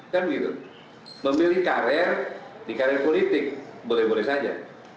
kan gitu memilih karir di karir politik boleh boleh saja